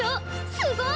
すごい！